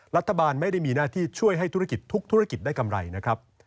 รัฐบาลไม่ได้มีหน้าที่ช่วยให้ธุรกิจทุกธุรกิจได้กำไรนะครับ